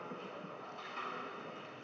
terhadap alam alam terhadap alam alam